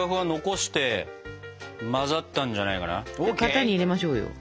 型に入れましょうよ。